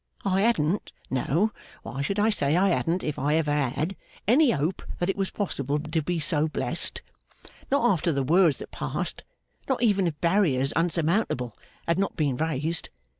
I hadn't, no, why should I say I hadn't if I ever had, any hope that it was possible to be so blest, not after the words that passed, not even if barriers insurmountable had not been raised!